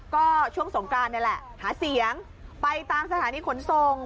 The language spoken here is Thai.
ก็ช่วงสงกรานนี่แหละหาเสียงไปตามสถานีขนส่ง